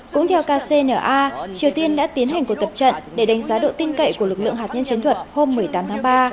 cũng theo kcna triều tiên đã tiến hành cuộc tập trận để đánh giá độ tin cậy của lực lượng hạt nhân chiến thuật hôm một mươi tám tháng ba